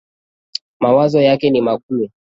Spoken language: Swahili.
Mawazo yake ni makuu.